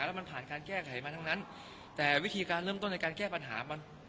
แล้วมันผ่านการแก้ไขมาทั้งนั้นแต่วิธีการเริ่มต้นในการแก้ปัญหามัน